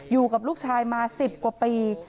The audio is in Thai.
อยู่กับลูกชายมา๑๐กว่าปี